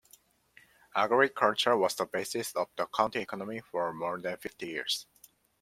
Agriculture was the basis of the county economy for more than fifty years.